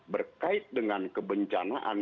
berkait dengan kebencanaan